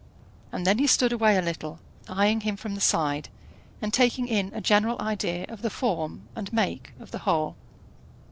And then he stood away a little, eyeing him from the side, and taking in a general idea of the form and make of the whole.